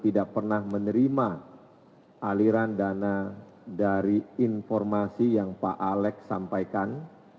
tidak pernah menerima aliran dana dari informasi yang pak alex sampaikan